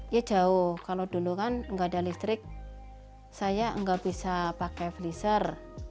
ya jauh kalau dulu kan nggak ada listrik saya nggak bisa pakai freezer